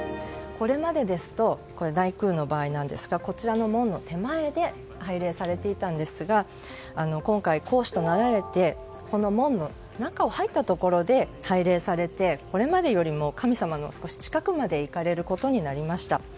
これまでですと内宮の場合こちらの門の手前で拝礼されていたんですが今回皇嗣となられて門の中を入ったところで拝礼されてこれまでよりも、神様の近くまで行かれることになりました。